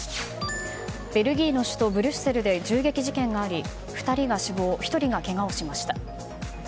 ベルギーの首都ブリュッセルで銃撃事件があり２人が死亡１人がけがをしました。